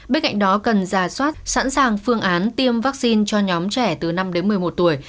bên cạnh đó cần ra soát sẵn sàng phương án tiêm vaccine cho nhóm trẻ từ năm đến một mươi một tuổi